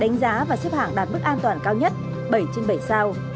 đánh giá và xếp hạng đạt mức an toàn cao nhất bảy trên bảy sao